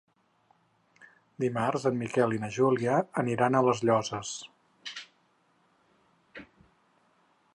Dimarts en Miquel i na Júlia aniran a les Llosses.